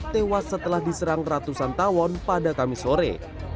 tewas setelah diserang ratusan tawon pada kamis sore